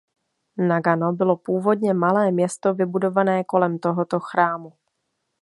Nagano bylo původně malé město vybudované kolem tohoto chrámu.